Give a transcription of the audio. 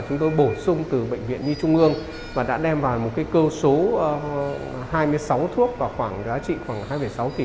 chúng tôi bổ sung từ bệnh viện nhi trung ương và đã đem vào một cơ số hai mươi sáu thuốc và giá trị khoảng hai mươi sáu tỷ